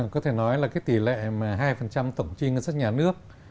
có thể nói là cái tỷ lệ mà hai tổng chi ngân sách nhà nước